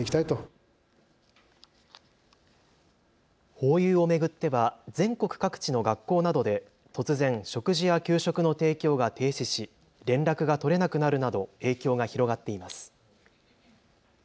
ホーユーを巡っては全国各地の学校などで突然、食事や給食の提供が停止し連絡が取れなくなるなど影響が広がっています。